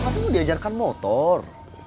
nanti mau diajarkan motor